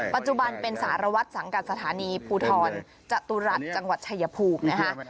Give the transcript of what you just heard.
ปัจจุบันเป็นสารวัตรสังกัดสถานีภูทรจตุรัสจังหวัดชายภูมินะคะ